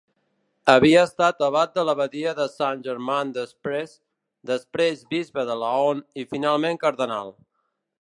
Havia estat abat de l'abadia de Saint-Germain-des-Prés, després bisbe de Laon, i finalment cardenal.